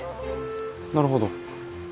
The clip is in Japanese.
なるほど。